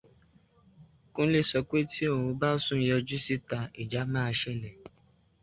Kúnlé sọ pé tí òun bá sùn yọjú síta, ìjà máa ṣẹlẹ̀.